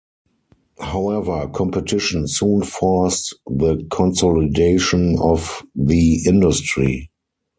However, competition soon forced the consolidation of the industry.